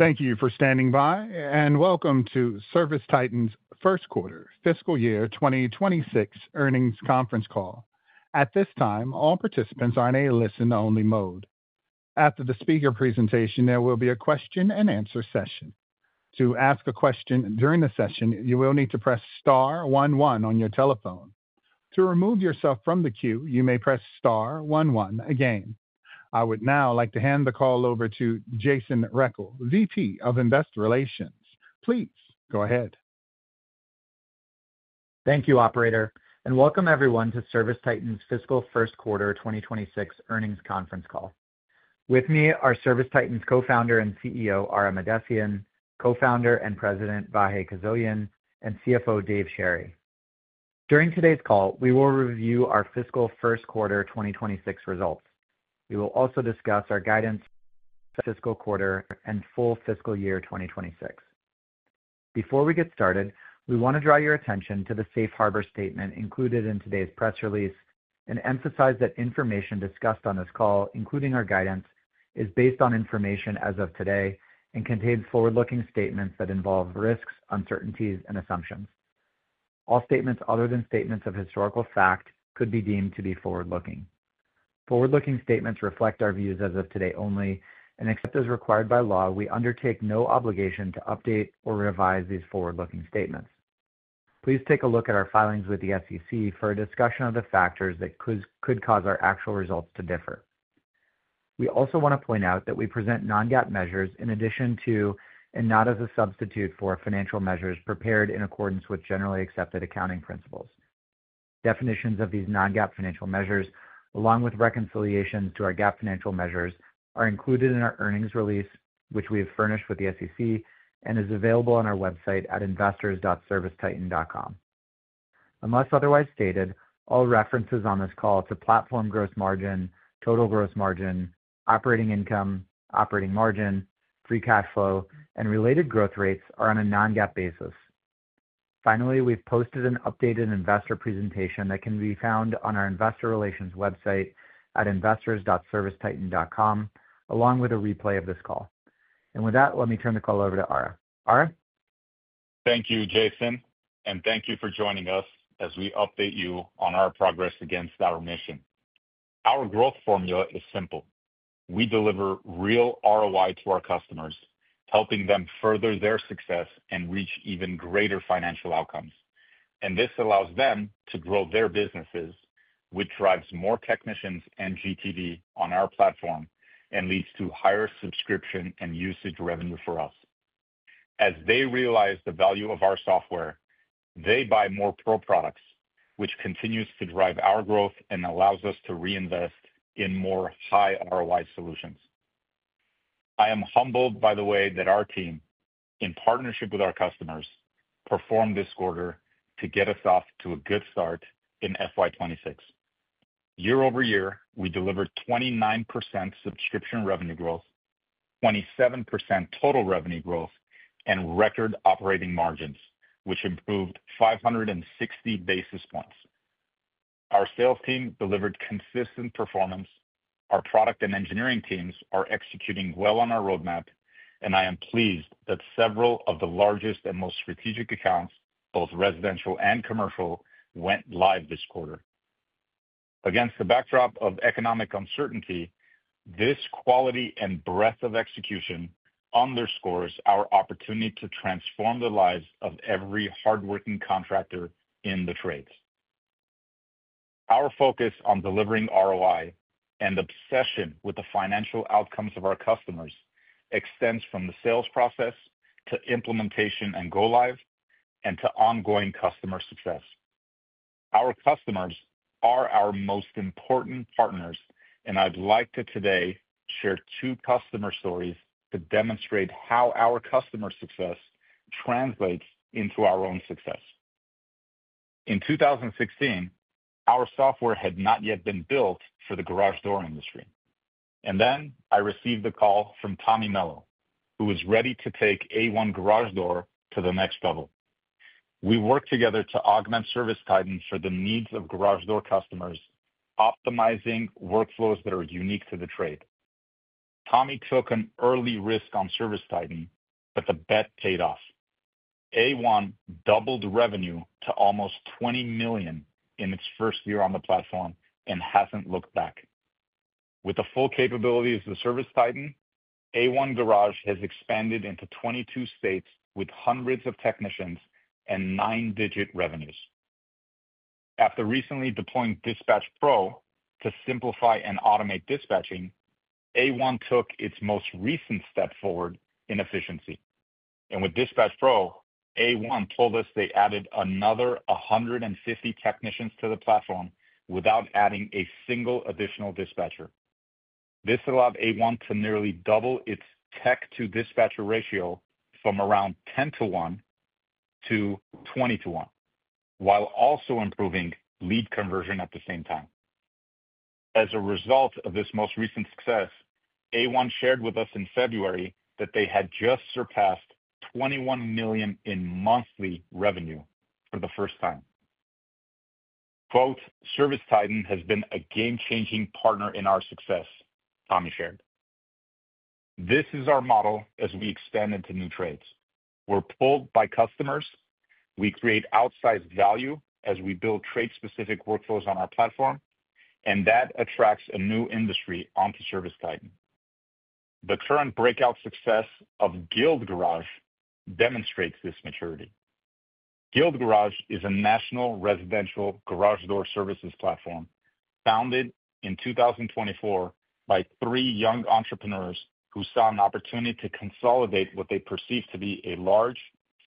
Thank you for standing by, and welcome to ServiceTitan's First Quarter, Fiscal Year 2026 Earnings Conference Call. At this time, all participants are in a listen-only mode. After the speaker presentation, there will be a question-and-answer session. To ask a question during the session, you will need to press Star 11 on your telephone. To remove yourself from the queue, you may press Star 11 again. I would now like to hand the call over to Jason Rec, VP of Investor Relations. Please go ahead. Thank you, Operator, and welcome everyone to ServiceTitan's Fiscal First Quarter 2026 Earnings Conference Call. With me are ServiceTitan's co-founder and CEO, Ara Mahdessian, co-founder and President, Bahe Kazzolian, and CFO, Dave Sherry. During today's call, we will review our Fiscal First Quarter 2026 results. We will also discuss our guidance for the fiscal quarter and full fiscal year 2026. Before we get started, we want to draw your attention to the Safe Harbor statement included in today's press release and emphasize that information discussed on this call, including our guidance, is based on information as of today and contains forward-looking statements that involve risks, uncertainties, and assumptions. All statements other than statements of historical fact could be deemed to be forward-looking. Forward-looking statements reflect our views as of today only, and except as required by law, we undertake no obligation to update or revise these forward-looking statements. Please take a look at our filings with the SEC for a discussion of the factors that could cause our actual results to differ. We also want to point out that we present non-GAAP measures in addition to and not as a substitute for financial measures prepared in accordance with generally accepted accounting principles. Definitions of these non-GAAP financial measures, along with reconciliations to our GAAP financial measures, are included in our earnings release, which we have furnished with the SEC and is available on our website at investors.servicetitan.com. Unless otherwise stated, all references on this call to platform gross margin, total gross margin, operating income, operating margin, free cash flow, and related growth rates are on a non-GAAP basis. Finally, we've posted an updated investor presentation that can be found on our investor relations website at investors.servicetitan.com, along with a replay of this call. With that, let me turn the call over to Ara. Ara? Thank you, Jason, and thank you for joining us as we update you on our progress against our mission. Our growth formula is simple. We deliver real ROI to our customers, helping them further their success and reach even greater financial outcomes. This allows them to grow their businesses, which drives more technicians and GTD on our platform and leads to higher subscription and usage revenue for us. As they realize the value of our software, they buy more pro products, which continues to drive our growth and allows us to reinvest in more high ROI solutions. I am humbled by the way that our team, in partnership with our customers, performed this quarter to get us off to a good start in FY2026. Year over year, we delivered 29% subscription revenue growth, 27% total revenue growth, and record operating margins, which improved 560 basis points. Our sales team delivered consistent performance. Our product and engineering teams are executing well on our roadmap, and I am pleased that several of the largest and most strategic accounts, both residential and commercial, went live this quarter. Against the backdrop of economic uncertainty, this quality and breadth of execution underscores our opportunity to transform the lives of every hardworking contractor in the trades. Our focus on delivering ROI and obsession with the financial outcomes of our customers extends from the sales process to implementation and go-live and to ongoing customer success. Our customers are our most important partners, and I'd like to today share two customer stories to demonstrate how our customer success translates into our own success. In 2016, our software had not yet been built for the garage door industry. I received a call from Tommy Mello, who was ready to take A1 Garage Door to the next level. We worked together to augment ServiceTitan for the needs of garage door customers, optimizing workflows that are unique to the trade. Tommy took an early risk on ServiceTitan, but the bet paid off. A1 doubled revenue to almost $20 million in its first year on the platform and has not looked back. With the full capabilities of ServiceTitan, A1 Garage has expanded into 22 states with hundreds of technicians and nine-digit revenues. After recently deploying Dispatch Pro to simplify and automate dispatching, A1 took its most recent step forward in efficiency. With Dispatch Pro, A1 told us they added another 150 technicians to the platform without adding a single additional dispatcher. This allowed A1 to nearly double its tech-to-dispatcher ratio from around 10-one to 20-1, while also improving lead conversion at the same time. As a result of this most recent success, A1 shared with us in February that they had just surpassed $21 million in monthly revenue for the first time. "ServiceTitan has been a game-changing partner in our success," Tommy shared. "This is our model as we expand into new trades. We're pulled by customers. We create outsized value as we build trade-specific workflows on our platform, and that attracts a new industry onto ServiceTitan. The current breakout success of Guild Garage demonstrates this maturity." Guild Garage is a national residential garage door services platform founded in 2024 by three young entrepreneurs who saw an opportunity to consolidate what they perceived to be a large,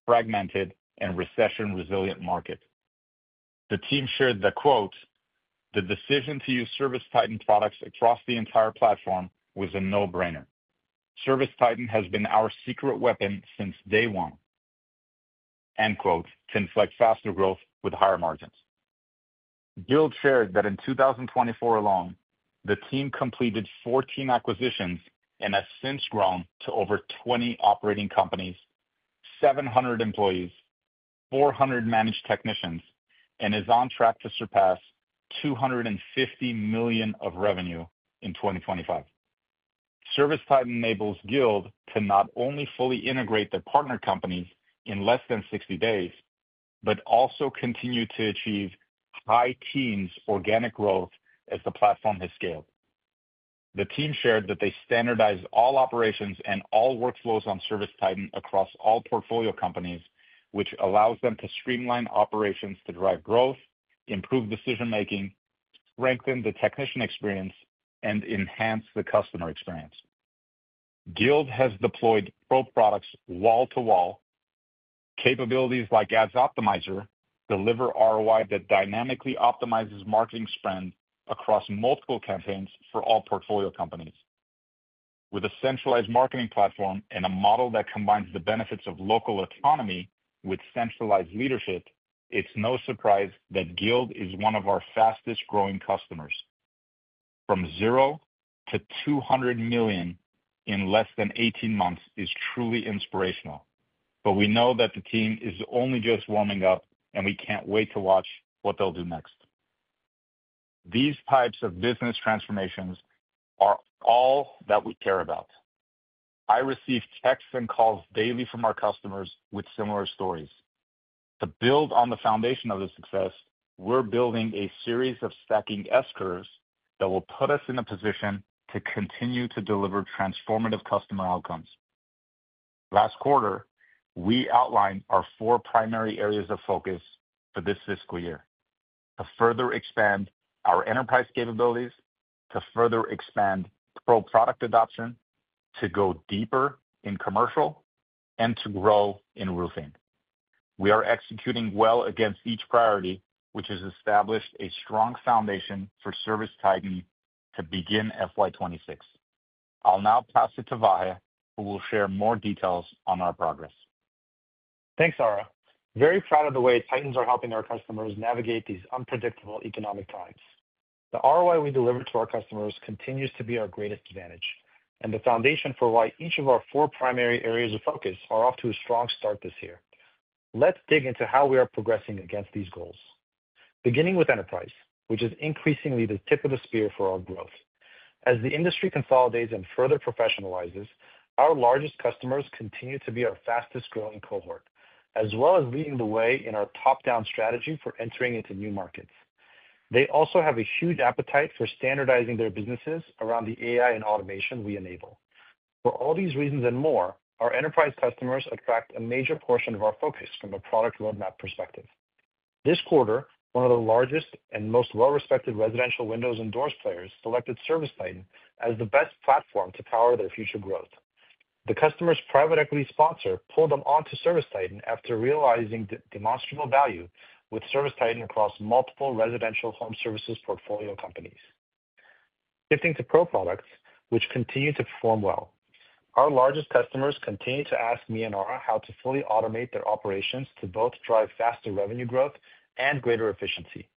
fragmented, and recession-resilient market. The team shared the quote, "The decision to use ServiceTitan products across the entire platform was a no-brainer. ServiceTitan has been our secret weapon since day one," end quote to inflect faster growth with higher margins. Guild shared that in 2024 alone, the team completed 14 acquisitions and has since grown to over 20 operating companies, 700 employees, 400 managed technicians, and is on track to surpass $250 million of revenue in 2025. ServiceTitan enables Guild to not only fully integrate their partner companies in less than 60 days, but also continue to achieve high teams' organic growth as the platform has scaled. The team shared that they standardized all operations and all workflows on ServiceTitan across all portfolio companies, which allows them to streamline operations to drive growth, improve decision-making, strengthen the technician experience, and enhance the customer experience. Guild has deployed pro products wall-to-wall. Capabilities like Ads Optimizer deliver ROI that dynamically optimizes marketing spend across multiple campaigns for all portfolio companies. With a centralized marketing platform and a model that combines the benefits of local autonomy with centralized leadership, it's no surprise that Guild is one of our fastest-growing customers. From zero to $200 million in less than 18 months is truly inspirational, but we know that the team is only just warming up, and we can't wait to watch what they'll do next. These types of business transformations are all that we care about. I receive texts and calls daily from our customers with similar stories. To build on the foundation of this success, we're building a series of stacking S-curves that will put us in a position to continue to deliver transformative customer outcomes. Last quarter, we outlined our four primary areas of focus for this fiscal year: to further expand our enterprise capabilities, to further expand pro product adoption, to go deeper in commercial, and to grow in roofing. We are executing well against each priority, which has established a strong foundation for ServiceTitan to begin FY 2026. I'll now pass it to Vahe, who will share more details on our progress. Thanks, Ara. Very proud of the way Titans are helping our customers navigate these unpredictable economic times. The ROI we deliver to our customers continues to be our greatest advantage, and the foundation for why each of our four primary areas of focus are off to a strong start this year. Let's dig into how we are progressing against these goals. Beginning with enterprise, which is increasingly the tip of the spear for our growth. As the industry consolidates and further professionalizes, our largest customers continue to be our fastest-growing cohort, as well as leading the way in our top-down strategy for entering into new markets. They also have a huge appetite for standardizing their businesses around the AI and automation we enable. For all these reasons and more, our enterprise customers attract a major portion of our focus from a product roadmap perspective. This quarter, one of the largest and most well-respected residential windows and doors players selected ServiceTitan as the best platform to power their future growth. The customer's private equity sponsor pulled them onto ServiceTitan after realizing demonstrable value with ServiceTitan across multiple residential home services portfolio companies. Shifting to pro products, which continue to perform well. Our largest customers continue to ask me and Ara how to fully automate their operations to both drive faster revenue growth and greater efficiency.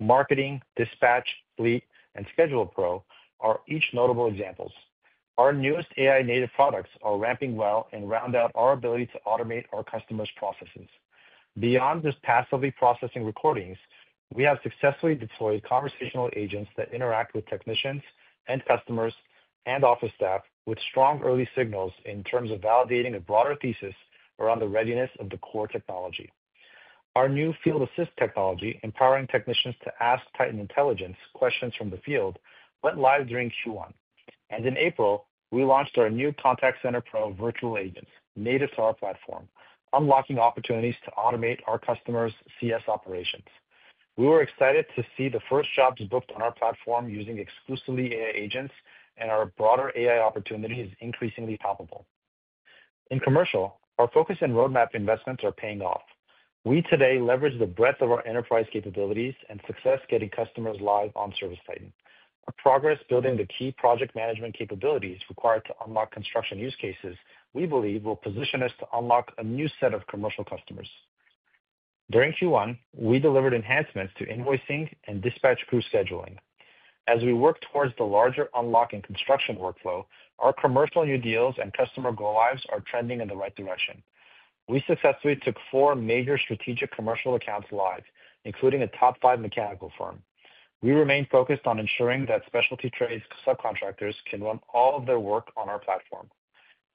Marketing, Dispatch, Fleet, and Schedule Pro are each notable examples. Our newest AI-native products are ramping well and round out our ability to automate our customers' processes. Beyond just passively processing recordings, we have successfully deployed conversational agents that interact with technicians and customers and office staff with strong early signals in terms of validating a broader thesis around the readiness of the core technology. Our new Field Assist technology, empowering technicians to ask Titan Intelligence questions from the field, went live during Q1. In April, we launched our new Contact Center Pro virtual agents, native to our platform, unlocking opportunities to automate our customers' CS operations. We were excited to see the first jobs booked on our platform using exclusively AI agents, and our broader AI opportunity is increasingly palpable. In commercial, our focus and roadmap investments are paying off. We today leverage the breadth of our enterprise capabilities and success getting customers live on ServiceTitan. Our progress building the key project management capabilities required to unlock construction use cases we believe will position us to unlock a new set of commercial customers. During Q1, we delivered enhancements to invoicing and dispatch crew scheduling. As we work towards the larger unlock and construction workflow, our commercial new deals and customer go-lives are trending in the right direction. We successfully took four major strategic commercial accounts live, including a top five mechanical firm. We remain focused on ensuring that specialty trades subcontractors can run all of their work on our platform: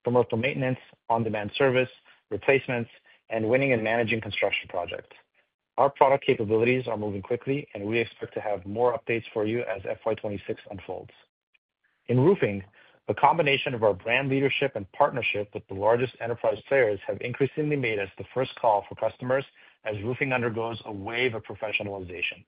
commercial maintenance, on-demand service, replacements, and winning and managing construction projects. Our product capabilities are moving quickly, and we expect to have more updates for you as FY 2026 unfolds. In roofing, a combination of our brand leadership and partnership with the largest enterprise players have increasingly made us the first call for customers as roofing undergoes a wave of professionalization.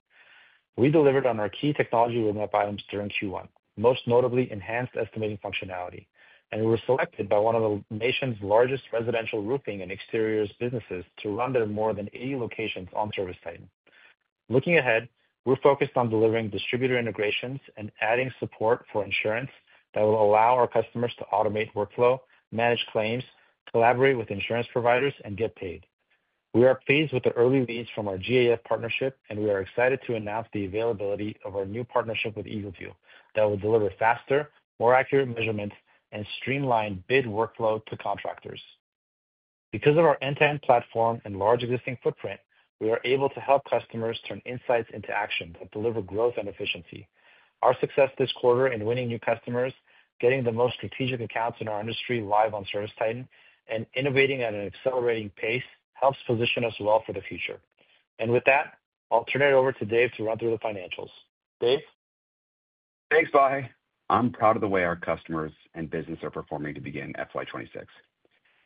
We delivered on our key technology roadmap items during Q1, most notably enhanced estimating functionality, and we were selected by one of the nation's largest residential roofing and exteriors businesses to run their more than 80 locations on ServiceTitan. Looking ahead, we're focused on delivering distributor integrations and adding support for insurance that will allow our customers to automate workflow, manage claims, collaborate with insurance providers, and get paid. We are pleased with the early leads from our GAF partnership, and we are excited to announce the availability of our new partnership with EagleView that will deliver faster, more accurate measurements and streamline bid workflow to contractors. Because of our end-to-end platform and large existing footprint, we are able to help customers turn insights into action that deliver growth and efficiency. Our success this quarter in winning new customers, getting the most strategic accounts in our industry live on ServiceTitan, and innovating at an accelerating pace helps position us well for the future. With that, I'll turn it over to Dave to run through the financials. Dave? Thanks, Vahe. I'm proud of the way our customers and business are performing to begin FY 2026.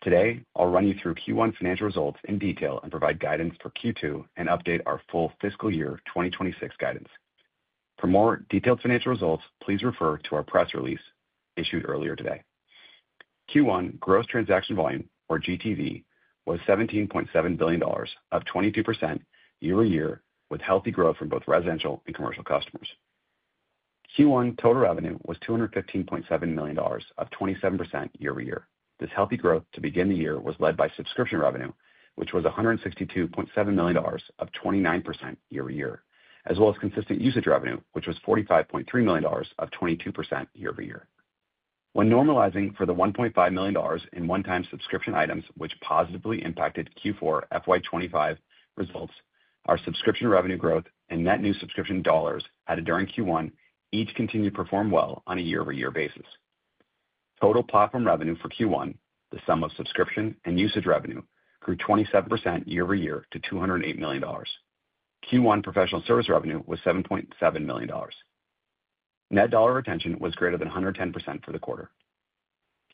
Today, I'll run you through Q1 financial results in detail and provide guidance for Q2 and update our full fiscal year 2026 guidance. For more detailed financial results, please refer to our press release issued earlier today. Q1 gross transaction volume, or GTV, was $17.7 billion, up 22% year-over-year, with healthy growth from both residential and commercial customers. Q1 total revenue was $215.7 million, up 27% year-over-year. This healthy growth to begin the year was led by subscription revenue, which was $162.7 million, up 29% year-over-year, as well as consistent usage revenue, which was $45.3 million, up 22% year-over-year. When normalizing for the $1.5 million in one-time subscription items, which positively impacted Q4 FY2025 results, our subscription revenue growth and net new subscription dollars added during Q1 each continued to perform well on a year-over-year basis. Total platform revenue for Q1, the sum of subscription and usage revenue, grew 27% year-over-year to $208 million. Q1 professional service revenue was $7.7 million. Net dollar retention was greater than 110% for the quarter.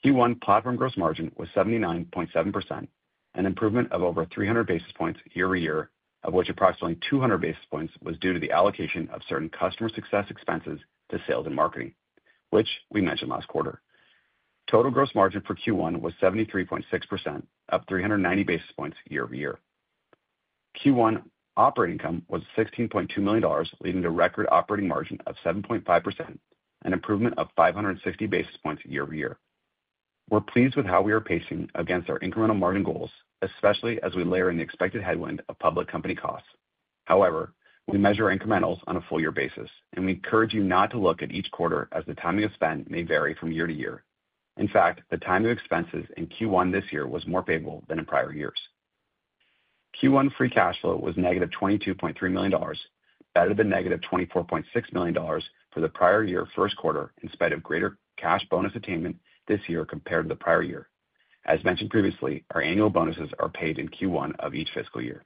Q1 platform gross margin was 79.7%, an improvement of over 300 basis points year-over-year, of which approximately 200 basis points was due to the allocation of certain customer success expenses to sales and marketing, which we mentioned last quarter. Total gross margin for Q1 was 73.6%, up 390 basis points year-over-year. Q1 operating income was $16.2 million, leading to a record operating margin of 7.5%, an improvement of 560 basis points year-over-year. We're pleased with how we are pacing against our incremental margin goals, especially as we layer in the expected headwind of public company costs. However, we measure incrementals on a full-year basis, and we encourage you not to look at each quarter as the timing of spend may vary from year to year. In fact, the timing of expenses in Q1 this year was more favorable than in prior years. Q1 free cash flow was negative $22.3 million, better than negative $24.6 million for the prior year first quarter in spite of greater cash bonus attainment this year compared to the prior year. As mentioned previously, our annual bonuses are paid in Q1 of each fiscal year.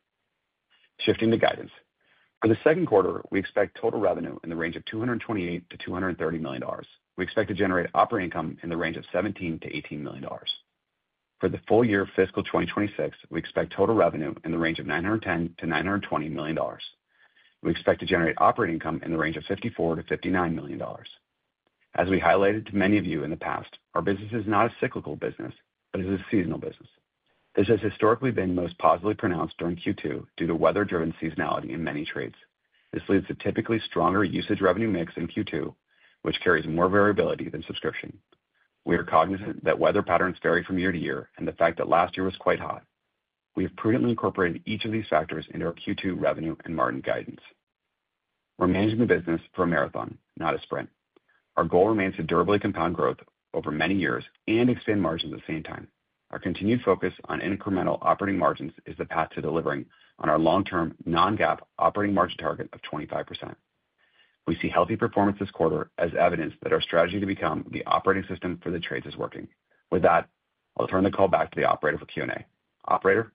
Shifting to guidance. For the second quarter, we expect total revenue in the range of $228-$230 million. We expect to generate operating income in the range of $17-$18 million. For the full year fiscal 2026, we expect total revenue in the range of $910-$920 million. We expect to generate operating income in the range of $54-$59 million. As we highlighted to many of you in the past, our business is not a cyclical business, but it is a seasonal business. This has historically been most positively pronounced during Q2 due to weather-driven seasonality in many trades. This leads to typically stronger usage revenue mix in Q2, which carries more variability than subscription. We are cognizant that weather patterns vary from year to year and the fact that last year was quite hot. We have prudently incorporated each of these factors into our Q2 revenue and margin guidance. We're managing the business for a marathon, not a sprint. Our goal remains to durably compound growth over many years and expand margins at the same time. Our continued focus on incremental operating margins is the path to delivering on our long-term non-GAAP operating margin target of 25%. We see healthy performance this quarter as evidence that our strategy to become the operating system for the trades is working. With that, I'll turn the call back to the operator for Q&A. Operator?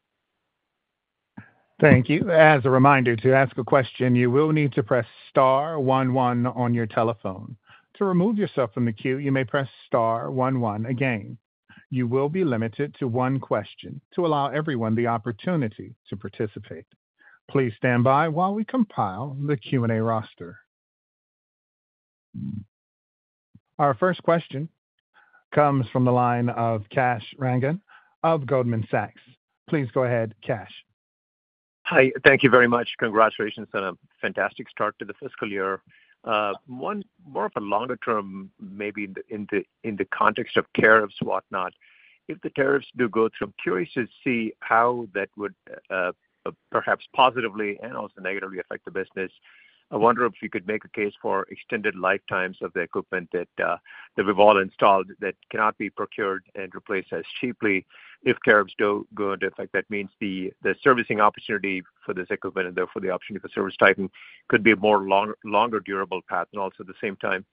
Thank you. As a reminder, to ask a question, you will need to press star 1 1 on your telephone. To remove yourself from the queue, you may press star 1 1 again. You will be limited to one question to allow everyone the opportunity to participate. Please stand by while we compile the Q&A roster. Our first question comes from the line of Kash Rangan of Goldman Sachs. Please go ahead, Kash. Hi, thank you very much. Congratulations on a fantastic start to the fiscal year. More of a longer term, maybe in the context of tariffs, whatnot. If the tariffs do go through, I'm curious to see how that would perhaps positively and also negatively affect the business. I wonder if you could make a case for extended lifetimes of the equipment that we've all installed that cannot be procured and replaced as cheaply if tariffs do go into effect. That means the servicing opportunity for this equipment and therefore the opportunity for ServiceTitan could be a more longer durable path. Also, at the same time,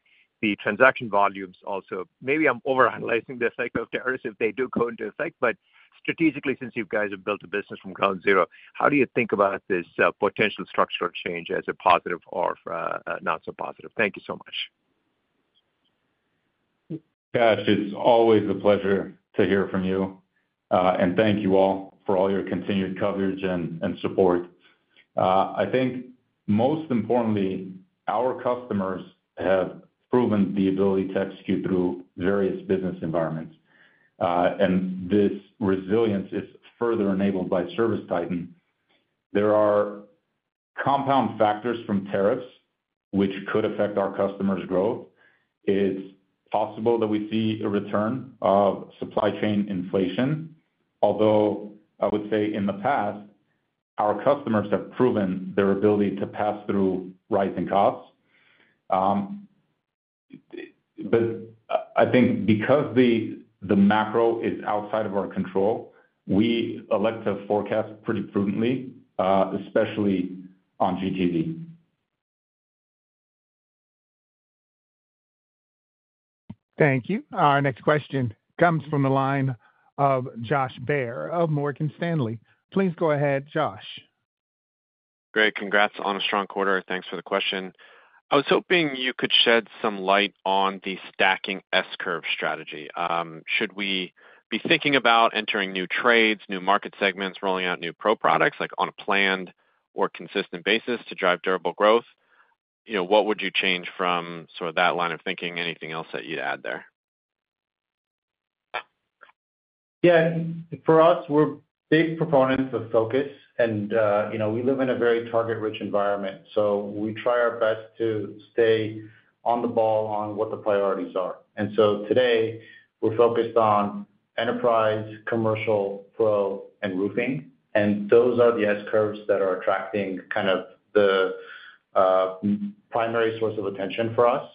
the transaction volumes also. Maybe I'm overanalyzing the effect of tariffs if they do go into effect, but strategically, since you guys have built a business from ground zero, how do you think about this potential structural change as a positive or not so positive? Thank you so much. Kash, it's always a pleasure to hear from you. Thank you all for all your continued coverage and support. I think most importantly, our customers have proven the ability to execute through various business environments. This resilience is further enabled by ServiceTitan. There are compound factors from tariffs, which could affect our customers' growth. It's possible that we see a return of supply chain inflation, although I would say in the past, our customers have proven their ability to pass through rising costs. I think because the macro is outside of our control, we elect to forecast pretty prudently, especially on GTV. Thank you. Our next question comes from the line of Josh Baer of Morgan Stanley. Please go ahead, Josh. Great. Congrats on a strong quarter. Thanks for the question. I was hoping you could shed some light on the stacking S-curve strategy. Should we be thinking about entering new trades, new market segments, rolling out new pro products on a planned or consistent basis to drive durable growth? What would you change from that line of thinking? Anything else that you'd add there? Yeah. For us, we're big proponents of focus, and we live in a very target-rich environment. We try our best to stay on the ball on what the priorities are. Today, we're focused on enterprise, commercial, pro, and roofing. Those are the S-curves that are attracting kind of the primary source of attention for us.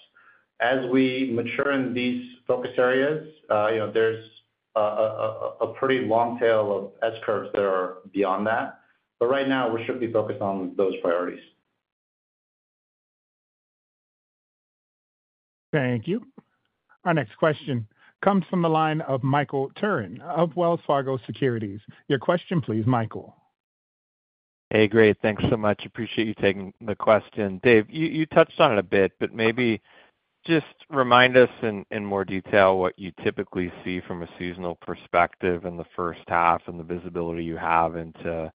As we mature in these focus areas, there's a pretty long tail of S-curves that are beyond that. Right now, we should be focused on those priorities. Thank you. Our next question comes from the line of Michael Turrin of Wells Fargo Securities. Your question, please, Michael. Hey, great. Thanks so much. Appreciate you taking the question. Dave, you touched on it a bit, but maybe just remind us in more detail what you typically see from a seasonal perspective in the first half and the visibility you have into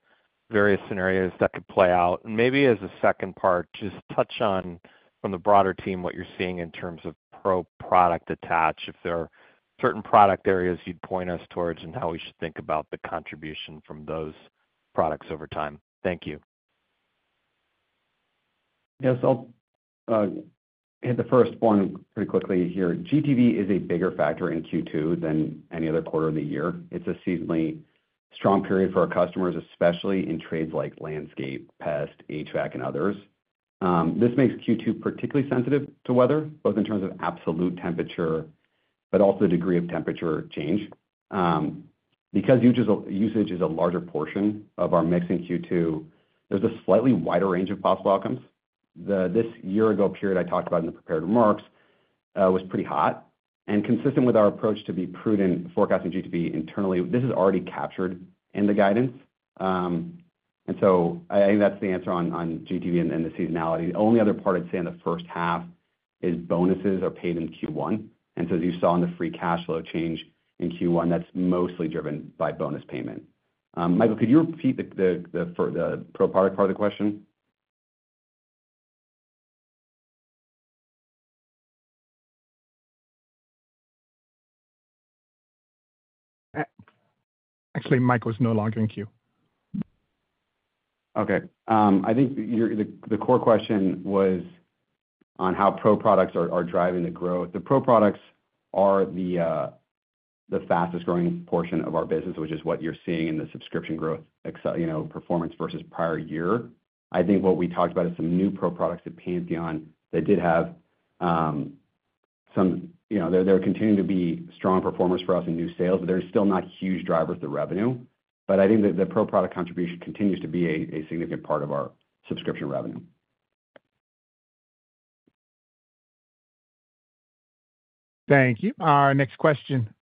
various scenarios that could play out. Maybe as a second part, just touch on, from the broader team, what you're seeing in terms of pro product attach, if there are certain product areas you'd point us towards and how we should think about the contribution from those products over time. Thank you. Yes, I'll hit the first one pretty quickly here. GTV is a bigger factor in Q2 than any other quarter of the year. It's a seasonally strong period for our customers, especially in trades like landscape, pest, HVAC, and others. This makes Q2 particularly sensitive to weather, both in terms of absolute temperature, but also the degree of temperature change. Because usage is a larger portion of our mix in Q2, there's a slightly wider range of possible outcomes. This year-ago period I talked about in the prepared remarks was pretty hot. Consistent with our approach to be prudent forecasting GTV internally, this is already captured in the guidance. I think that's the answer on GTV and the seasonality. The only other part I'd say in the first half is bonuses are paid in Q1. As you saw in the free cash flow change in Q1, that's mostly driven by bonus payment. Michael, could you repeat the pro product part of the question? Actually, Michael's no longer in queue. Okay. I think the core question was on how pro products are driving the growth. The pro products are the fastest-growing portion of our business, which is what you're seeing in the subscription growth performance versus prior year. I think what we talked about is some new pro products at Pantheon that did have some, there continue to be strong performers for us in new sales, but there are still not huge drivers to revenue. I think that the pro product contribution continues to be a significant part of our subscription revenue. Thank you. Our next question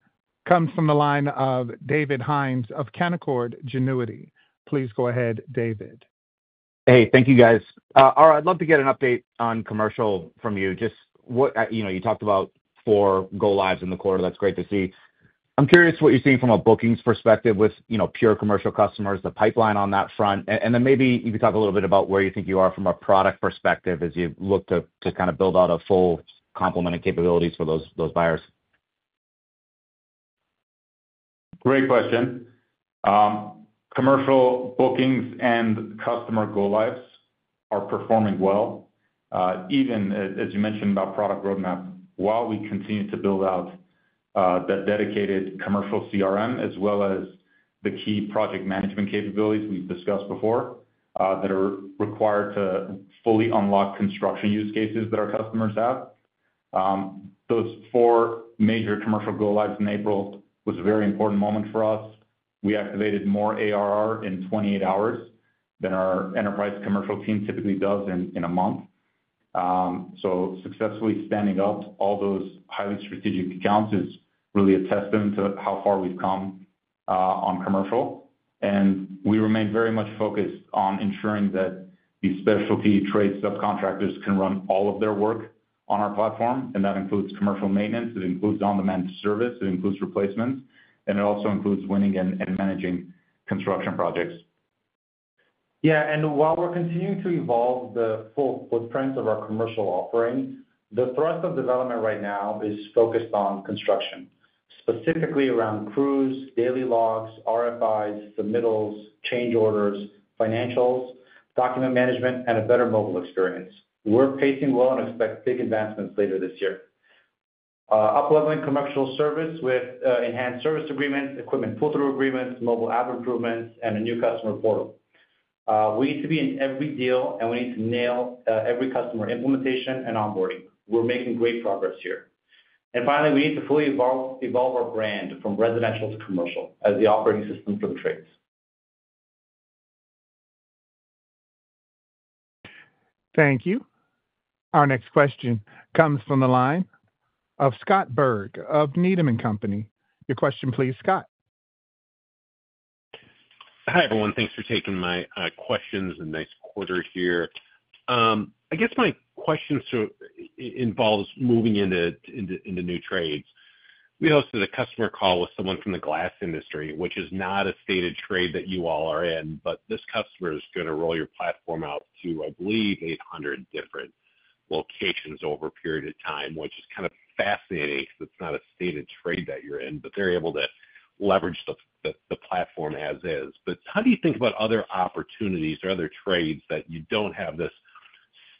comes from the line of David Hymes of Canaccord Genuity. Please go ahead, David. Hey, thank you, guys. All right. I'd love to get an update on commercial from you. Just what you talked about for Go Lives in the quarter, that's great to see. I'm curious what you're seeing from a bookings perspective with pure commercial customers, the pipeline on that front. Maybe you could talk a little bit about where you think you are from a product perspective as you look to kind of build out a full complement of capabilities for those buyers. Great question. Commercial bookings and customer Go Lives are performing well. Even, as you mentioned about product roadmap, while we continue to build out that dedicated commercial CRM, as well as the key project management capabilities we've discussed before that are required to fully unlock construction use cases that our customers have. Those four major commercial Go Lives in April was a very important moment for us. We activated more ARR in 28 hours than our enterprise commercial team typically does in a month. Successfully standing up all those highly strategic accounts is really a testament to how far we've come on commercial. We remain very much focused on ensuring that these specialty trade subcontractors can run all of their work on our platform. That includes commercial maintenance. It includes on-demand service. It includes replacements. It also includes winning and managing construction projects. Yeah. While we're continuing to evolve the full footprint of our commercial offering, the thrust of development right now is focused on construction, specifically around crews, daily logs, RFIs, submittals, change orders, financials, document management, and a better mobile experience. We're pacing well and expect big advancements later this year. Up-leveling commercial service with enhanced service agreements, equipment pull-through agreements, mobile app improvements, and a new customer portal. We need to be in every deal, and we need to nail every customer implementation and onboarding. We're making great progress here. Finally, we need to fully evolve our brand from residential to commercial as the operating system for the trades. Thank you. Our next question comes from the line of Scott Berg of Needham & Company. Your question, please, Scott. Hi everyone. Thanks for taking my questions. A nice quarter here. I guess my question involves moving into new trades. We hosted a customer call with someone from the glass industry, which is not a stated trade that you all are in, but this customer is going to roll your platform out to, I believe, 800 different locations over a period of time, which is kind of fascinating because it is not a stated trade that you are in, but they are able to leverage the platform as is. How do you think about other opportunities or other trades that you do not have this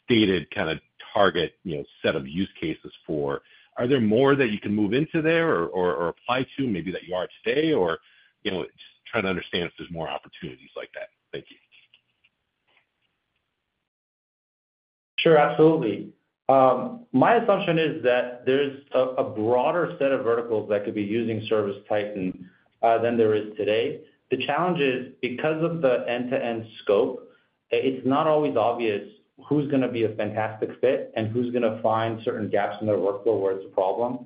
stated kind of target set of use cases for? Are there more that you can move into there or apply to, maybe that you are today, or just trying to understand if there are more opportunities like that? Thank you. Sure, absolutely. My assumption is that there's a broader set of verticals that could be using ServiceTitan than there is today. The challenge is, because of the end-to-end scope, it's not always obvious who's going to be a fantastic fit and who's going to find certain gaps in their workflow where it's a problem.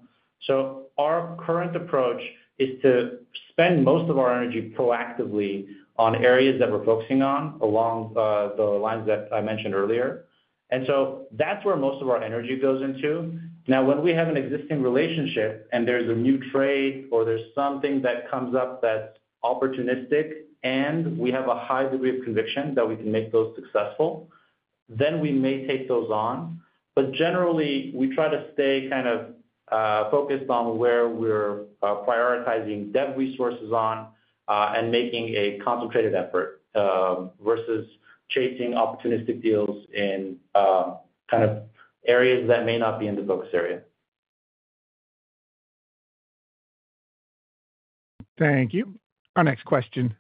Our current approach is to spend most of our energy proactively on areas that we're focusing on along the lines that I mentioned earlier. That's where most of our energy goes into. Now, when we have an existing relationship and there's a new trade or there's something that comes up that's opportunistic and we have a high degree of conviction that we can make those successful, then we may take those on. Generally, we try to stay kind of focused on where we're prioritizing dev resources on and making a concentrated effort versus chasing opportunistic deals in kind of areas that may not be in the focus area. Thank you. Our next question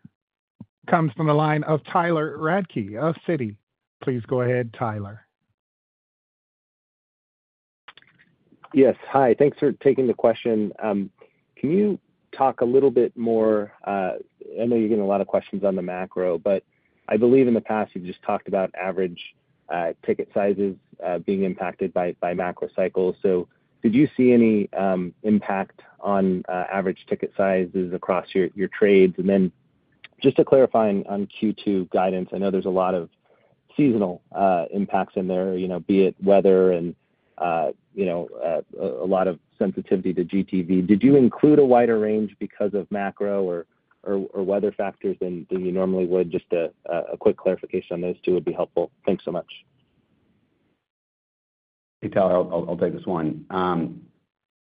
comes from the line of Tyler Radke of Citi. Please go ahead, Tyler. Yes. Hi. Thanks for taking the question. Can you talk a little bit more? I know you're getting a lot of questions on the macro, but I believe in the past you've just talked about average ticket sizes being impacted by macro cycles. Did you see any impact on average ticket sizes across your trades? And then just to clarify on Q2 guidance, I know there's a lot of seasonal impacts in there, be it weather and a lot of sensitivity to GTV. Did you include a wider range because of macro or weather factors than you normally would? Just a quick clarification on those two would be helpful. Thanks so much. Hey, Tyler, I'll take this one.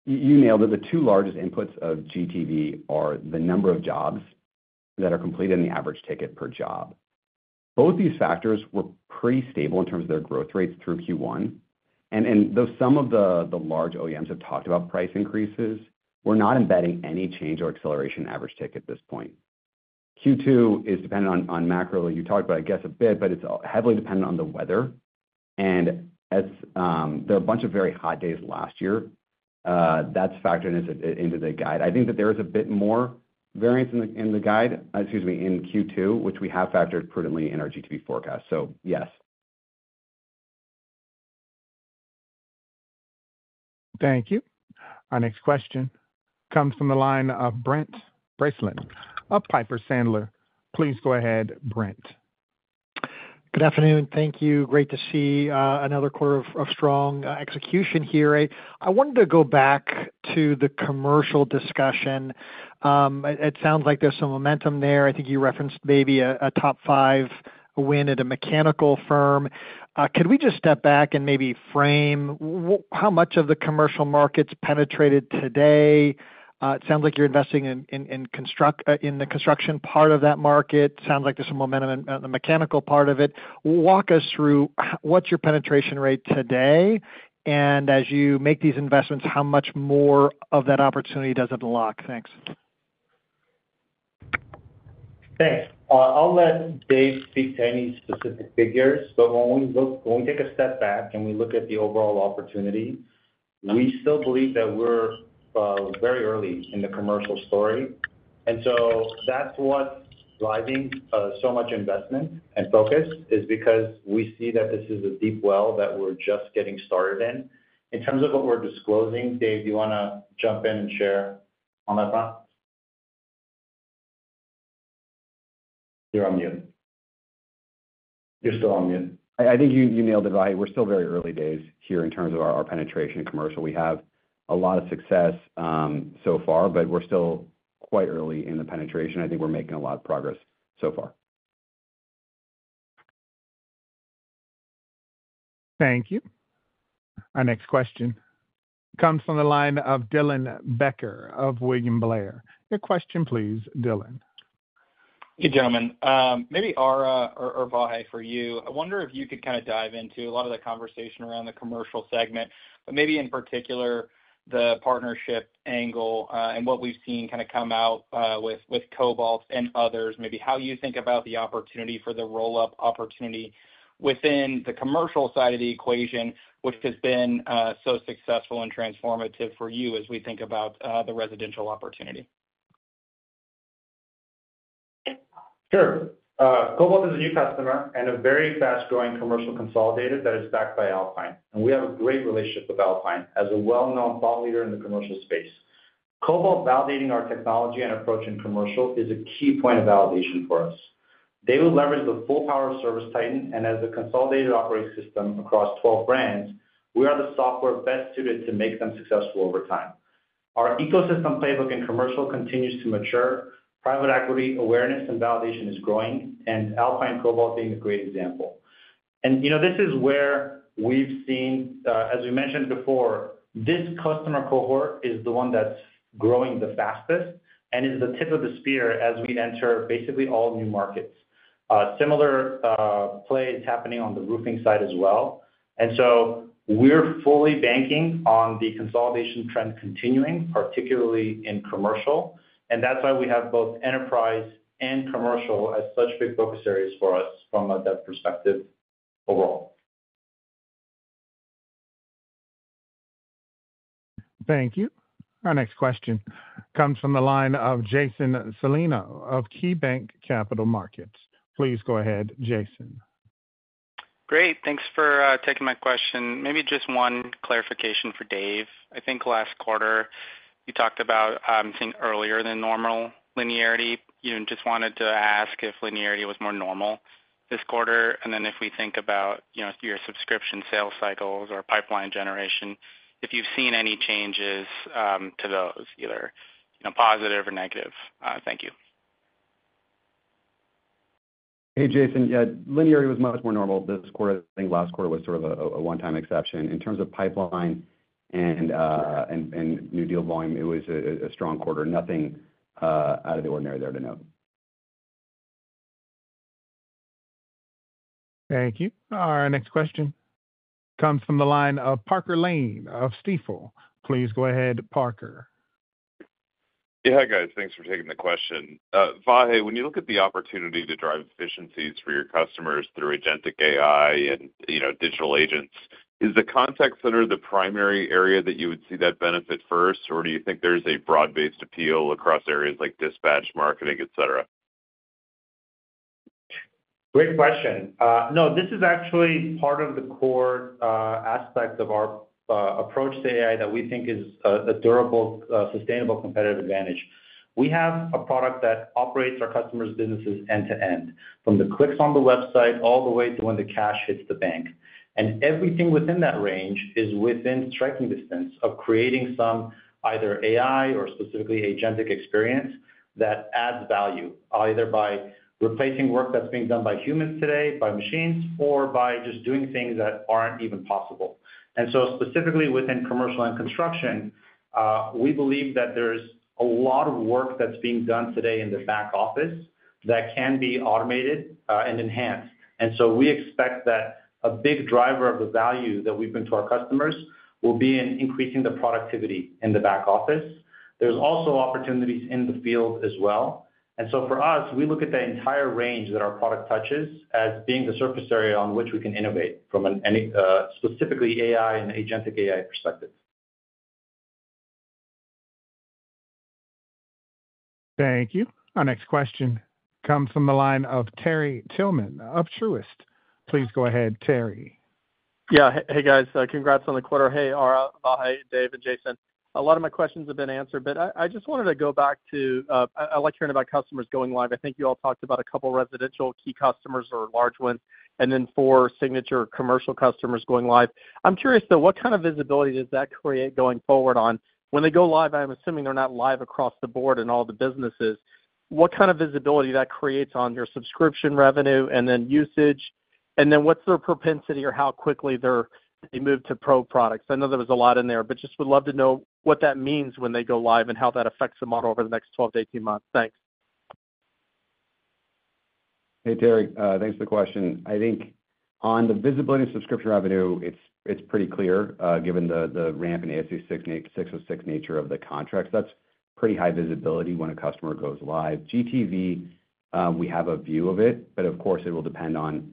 You nailed it. The two largest inputs of GTV are the number of jobs that are completed and the average ticket per job. Both these factors were pretty stable in terms of their growth rates through Q1. Though some of the large OEMs have talked about price increases, we're not embedding any change or acceleration in average ticket at this point. Q2 is dependent on macro, like you talked about, I guess, a bit, but it's heavily dependent on the weather. There were a bunch of very hot days last year. That's factored into the guide. I think that there is a bit more variance in the guide, excuse me, in Q2, which we have factored prudently in our GTV forecast. Yes. Thank you. Our next question comes from the line of Brent Bracelin at Piper Sandler. Please go ahead, Brent. Good afternoon. Thank you. Great to see another quarter of strong execution here. I wanted to go back to the commercial discussion. It sounds like there is some momentum there. I think you referenced maybe a top five win at a mechanical firm. Could we just step back and maybe frame how much of the commercial market is penetrated today? It sounds like you are investing in the construction part of that market. It sounds like there is some momentum in the mechanical part of it. Walk us through what is your penetration rate today? As you make these investments, how much more of that opportunity does it unlock? Thanks. Thanks. I'll let Dave speak to any specific figures. When we take a step back and we look at the overall opportunity, we still believe that we're very early in the commercial story. That is what's driving so much investment and focus, because we see that this is a deep well that we're just getting started in. In terms of what we're disclosing, Dave, do you want to jump in and share on that front? You're on mute. You're still on mute. I think you nailed it right. We're still very early days here in terms of our penetration in commercial. We have a lot of success so far, but we're still quite early in the penetration. I think we're making a lot of progress so far. Thank you. Our next question comes from the line of Dylan Becker of William Blair. Your question, please, Dylan. Hey, gentlemen. Maybe Ara or Bahe for you. I wonder if you could kind of dive into a lot of the conversation around the commercial segment, but maybe in particular, the partnership angle and what we've seen kind of come out with Cobalt and others, maybe how you think about the opportunity for the roll-up opportunity within the commercial side of the equation, which has been so successful and transformative for you as we think about the residential opportunity. Sure. Cobalt is a new customer and a very fast-growing commercial consolidator that is backed by Alpine. We have a great relationship with Alpine as a well-known thought leader in the commercial space. Cobalt validating our technology and approach in commercial is a key point of validation for us. They will leverage the full power of ServiceTitan. As a consolidated operating system across 12 brands, we are the software best suited to make them successful over time. Our ecosystem playbook in commercial continues to mature. Private equity awareness and validation is growing, and Alpine Cobalt being a great example. This is where we've seen, as we mentioned before, this customer cohort is the one that's growing the fastest and is the tip of the spear as we enter basically all new markets. A similar play is happening on the roofing side as well. We're fully banking on the consolidation trend continuing, particularly in commercial. That's why we have both enterprise and commercial as such big focus areas for us from a dev perspective overall. Thank you. Our next question comes from the line of Jason Celino of KeyBanc Capital Markets. Please go ahead, Jason. Great. Thanks for taking my question. Maybe just one clarification for Dave. I think last quarter, you talked about seeing earlier than normal linearity. Just wanted to ask if linearity was more normal this quarter. If we think about your subscription sales cycles or pipeline generation, if you've seen any changes to those, either positive or negative. Thank you. Hey, Jason. Yeah, linearity was much more normal this quarter. I think last quarter was sort of a one-time exception. In terms of pipeline and new deal volume, it was a strong quarter. Nothing out of the ordinary there to note. Thank you. Our next question comes from the line of Parker Lane of Stifel. Please go ahead, Parker. Yeah, guys. Thanks for taking the question. Vahe, when you look at the opportunity to drive efficiencies for your customers through agentic AI and digital agents, is the contact center the primary area that you would see that benefit first, or do you think there's a broad-based appeal across areas like dispatch, marketing, etc.? Great question. No, this is actually part of the core aspect of our approach to AI that we think is a durable, sustainable competitive advantage. We have a product that operates our customers' businesses end-to-end, from the clicks on the website all the way to when the cash hits the bank. Everything within that range is within striking distance of creating some either AI or specifically agentic experience that adds value, either by replacing work that is being done by humans today, by machines, or by just doing things that are not even possible. Specifically within commercial and construction, we believe that there is a lot of work that is being done today in the back office that can be automated and enhanced. We expect that a big driver of the value that we bring to our customers will be in increasing the productivity in the back office. There's also opportunities in the field as well. For us, we look at the entire range that our product touches as being the surface area on which we can innovate from a specifically AI and agentic AI perspective. Thank you. Our next question comes from the line of Terry Tillman of Truist. Please go ahead, Terry. Yeah. Hey, guys. Congrats on the quarter. Hey, Ara, Vahe, Dave, and Jason. A lot of my questions have been answered, but I just wanted to go back to I like hearing about customers going live. I think you all talked about a couple of residential key customers or large ones, and then four signature commercial customers going live. I'm curious, though, what kind of visibility does that create going forward on? When they go live, I'm assuming they're not live across the board in all the businesses. What kind of visibility that creates on your subscription revenue and then usage? And then what's their propensity or how quickly they move to pro products? I know there was a lot in there, but just would love to know what that means when they go live and how that affects the model over the next 12 to 18 months. Thanks. Hey, Terry. Thanks for the question. I think on the visibility and subscription revenue, it's pretty clear given the ramp and ASU 606 nature of the contracts. That's pretty high visibility when a customer goes live. GTV, we have a view of it, but of course, it will depend on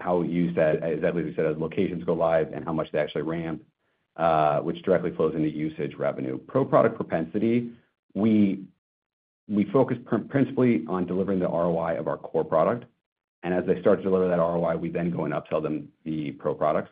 how we use that, as at least we said, as locations go live and how much they actually ramp, which directly flows into usage revenue. Pro product propensity, we focus principally on delivering the ROI of our core product. And as they start to deliver that ROI, we then go and upsell them the pro products.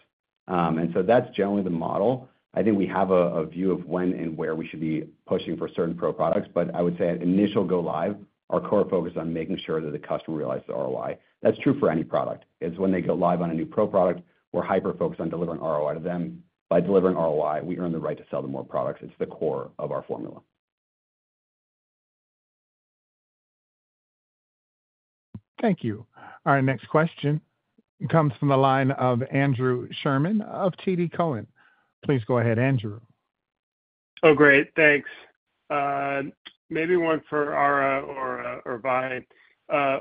That's generally the model. I think we have a view of when and where we should be pushing for certain pro products. I would say at initial go live, our core focus is on making sure that the customer realizes the ROI. That's true for any product. It's when they go live on a new pro product, we're hyper-focused on delivering ROI to them. By delivering ROI, we earn the right to sell them more products. It's the core of our formula. Thank you. Our next question comes from the line of Andrew Sherman of TD Cowen. Please go ahead, Andrew. Oh, great. Thanks. Maybe one for Ara or Vahe.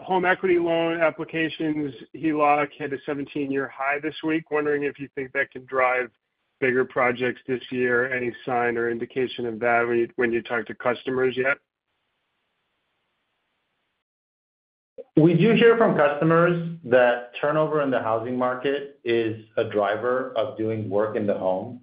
Home equity loan applications, HELOC hit a 17-year high this week. Wondering if you think that can drive bigger projects this year. Any sign or indication of that when you talk to customers yet? We do hear from customers that turnover in the housing market is a driver of doing work in the home.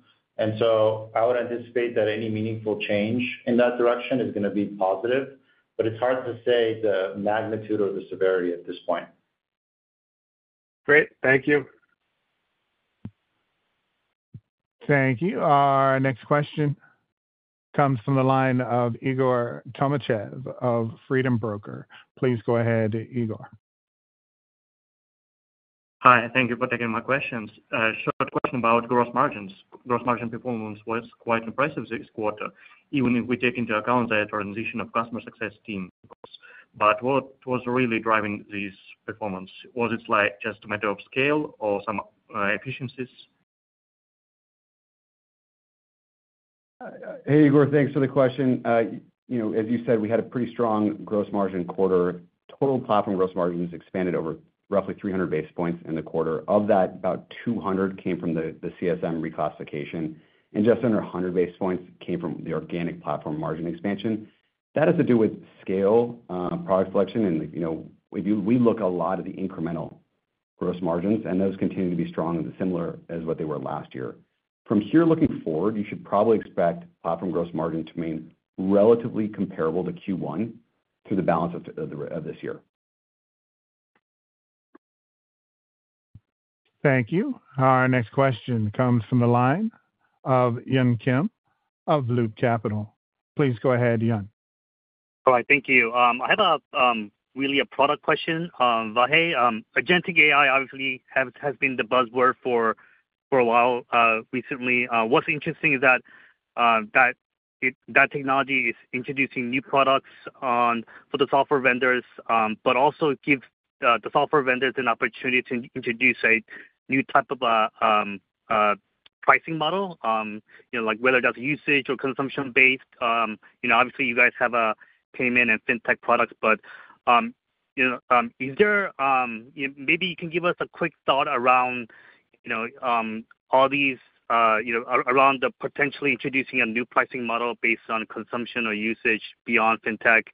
I would anticipate that any meaningful change in that direction is going to be positive. It is hard to say the magnitude or the severity at this point. Great. Thank you. Thank you. Our next question comes from the line of Igor Tomachev of Freedom Broker. Please go ahead, Igor. Hi. Thank you for taking my questions. Short question about gross margins. Gross margin performance was quite impressive this quarter, even if we take into account the transition of customer success teams. What was really driving this performance? Was it just a matter of scale or some efficiencies? Hey, Igor. Thanks for the question. As you said, we had a pretty strong gross margin quarter. Total platform gross margins expanded over roughly 300 basis points in the quarter. Of that, about 200 came from the CSM reclassification. And just under 100 basis points came from the organic platform margin expansion. That has to do with scale, product selection, and we look a lot at the incremental gross margins, and those continue to be strong and similar as what they were last year. From here, looking forward, you should probably expect platform gross margin to remain relatively comparable to Q1 through the balance of this year. Thank you. Our next question comes from the line of Yun Kim of Loop Capital. Please go ahead, Yun. Hi. Thank you. I have really a product question. Vahe, agentic AI obviously has been the buzzword for a while. Recently, what's interesting is that that technology is introducing new products for the software vendors, but also gives the software vendors an opportunity to introduce a new type of pricing model, whether that's usage or consumption-based. Obviously, you guys have payment and fintech products. Is there maybe you can give us a quick thought around all these around the potentially introducing a new pricing model based on consumption or usage beyond fintech.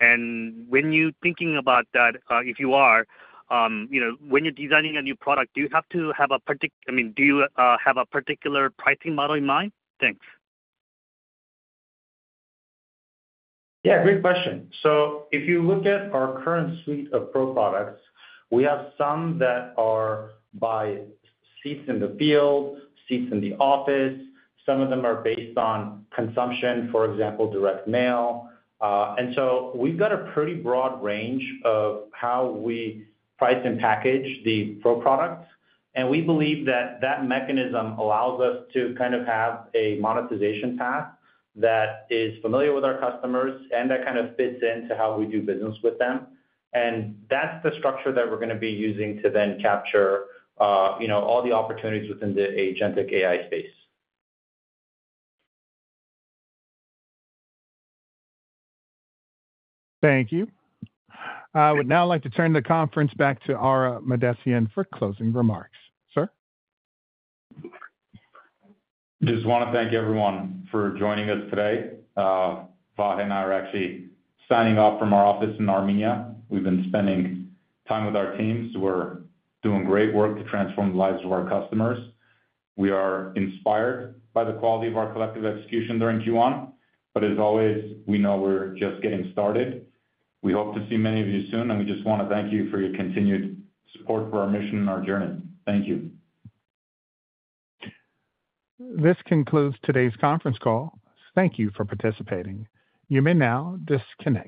When you're thinking about that, if you are, when you're designing a new product, do you have to have a particular, I mean, do you have a particular pricing model in mind? Thanks. Yeah. Great question. If you look at our current suite of pro products, we have some that are by seats in the field, seats in the office. Some of them are based on consumption, for example, direct mail. We have a pretty broad range of how we price and package the pro products. We believe that that mechanism allows us to kind of have a monetization path that is familiar with our customers and that kind of fits into how we do business with them. That is the structure that we are going to be using to then capture all the opportunities within the agentic AI space. Thank you. I would now like to turn the conference back to Ara Mahdessian for closing remarks. Sir? Just want to thank everyone for joining us today. Vahe and I are actually signing off from our office in Armenia. We've been spending time with our teams. We're doing great work to transform the lives of our customers. We are inspired by the quality of our collective execution during Q1. As always, we know we're just getting started. We hope to see many of you soon. We just want to thank you for your continued support for our mission and our journey. Thank you. This concludes today's conference call. Thank you for participating. You may now disconnect.